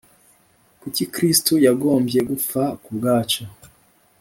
Kuki Kristo yagombye gupfa ku bwacu?